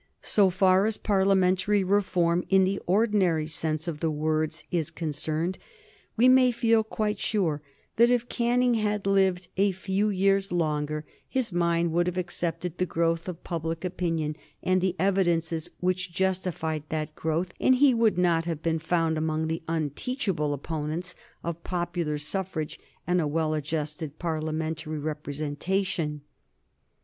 So far as Parliamentary reform in the ordinary sense of the words is concerned, we may feel quite sure that if Canning had lived a few years longer his mind would have accepted the growth of public opinion and the evidences which justified that growth, and he would not have been found among the unteachable opponents of popular suffrage and a well adjusted Parliamentary representation.